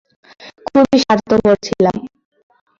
খুবই স্বার্থপর ছিলাম।